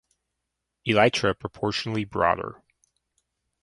Elytra proportionately broader.